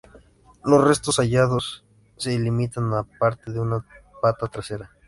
Los restos hallados se limitan a parte de una pata trasera.